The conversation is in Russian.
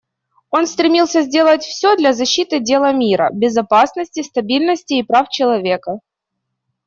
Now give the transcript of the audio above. Он стремился сделать все для защиты дела мира, безопасности, стабильности и прав человека.